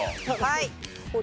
はい。